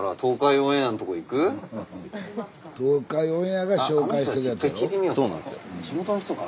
オンエアが紹介したやつやろ？